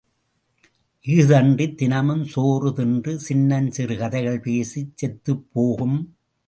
இஃதன்றித் தினமும் சோறு தின்று, சின்னஞ் சிறுகதைகள் பேசிச் செத்துப்போகும்.